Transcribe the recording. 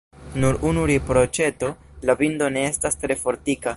Nur unu riproĉeto: la bindo ne estas tre fortika.